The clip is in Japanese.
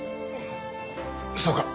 そうか。